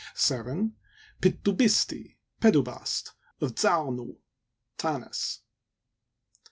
Pit'tU'biS'ti (Pedubast), of Za a' nu (Tanis).